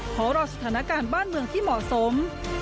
ขอรอสถานการณ์บ้านเมืองที่เหมาะสม